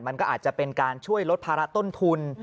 มันก็อาจจะเป็นการช่วยลดภาระต้นทุน